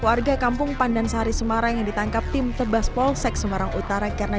keluarga kampung pandan sehari semarang yang ditangkap tim tebas polsek semarang utara karena